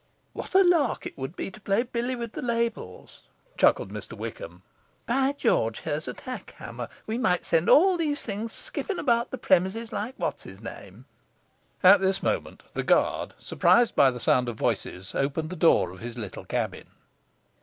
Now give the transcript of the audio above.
'What a lark it would be to play billy with the labels!' chuckled Mr Wickham. 'By George, here's a tack hammer! We might send all these things skipping about the premises like what's his name!' At this moment, the guard, surprised by the sound of voices, opened the door of his little cabin.